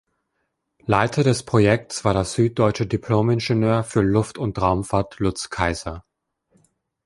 Leiter des Projekts war der süddeutsche Diplomingenieur für Luft- und Raumfahrt Lutz Kayser.